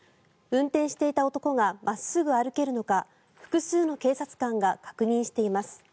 運転していた男が真っすぐ歩けるのか複数の警察官が確認しています。